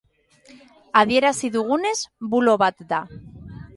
Adierazi dugunez, bulo bat da.